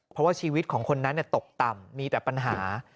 เพราะว่าชีวิตของคนนั้นตกต่ำมีแต่ปัญหา